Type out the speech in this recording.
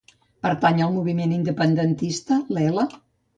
Pertany al moviment independentista l'Ela?